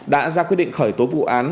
đã ra quyết định khởi tố vụ án